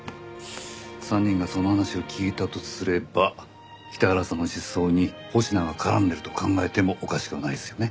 ３人がその話を聞いたとすれば北原さんの失踪に保科が絡んでると考えてもおかしくはないですよね？